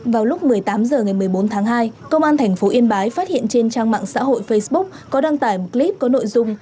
vào lúc một mươi tám h ngày một mươi bốn tháng hai công an tp yên bái phát hiện trên trang mạng xã hội facebook có đăng tải một clip có nội dung